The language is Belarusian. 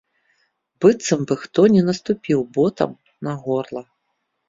Быццам бы хто мне наступіў ботам на горла.